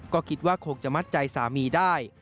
ก็คิดว่าคงจะมัดใจสามีได้